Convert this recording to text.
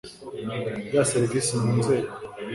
ya serivisi mu nzego